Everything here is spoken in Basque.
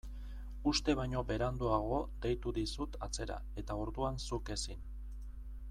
Uste baino beranduago deitu dizut atzera eta orduan zuk ezin.